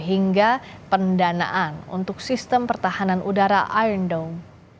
hingga pendanaan untuk sistem pertahanan udara iring dome